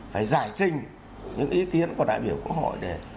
phải giải trình những ý kiến của đại biểu quốc hội để